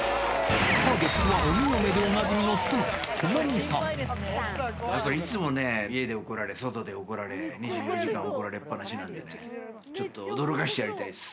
ターゲットは鬼嫁でおなじみの妻、やっぱりいつもねぇ、家で怒られ、外で怒られ、２４時間怒られっぱなしなんでね、ちょっと驚かせやりたいです。